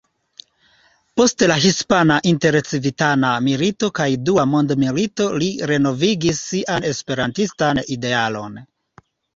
Post la hispana intercivitana milito kaj dua mondmilito li renovigis sian esperantistan idealon.